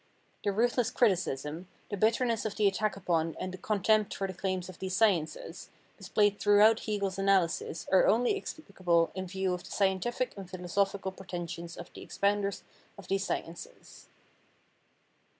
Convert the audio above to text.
The ruthless criticism, the bitterness of the attack upon and the contempt for the claims of these sciences, displayed throughout Hegel's analysis are only explicable in view of the scientific and philosophical pretentions of the expounders of these sciences.